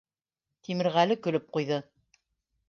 Тимерғәле көлөп ҡуйҙы.